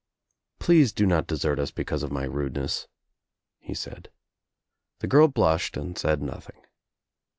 "Please do not desert us because of my rudeness," he said. The girl blushed and said nothing.